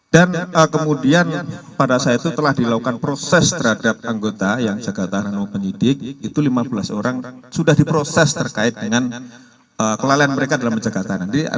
dan kemudian pada saat itu telah dilakukan proses terhadap anggota yang jaga tahanan maupun penyidik itu lima belas orang sudah diproses terkait dengan kelalaian mereka dalam jaga tahanan